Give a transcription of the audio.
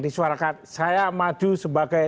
disuarakan saya maju sebagai